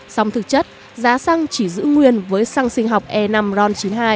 sông thực chất giá săng chỉ giữ nguyên với săng sinh học e năm ron chín mươi hai